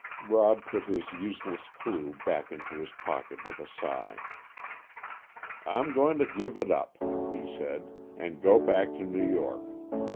Rob put his useless clue back into his pocket with a sigh. "I'm going to give it up," he said, "and go back to New York.